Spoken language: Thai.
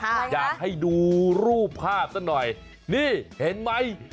อะไรนะอยากให้ดูรูปภาพสักหน่อยนี่เห็นไหม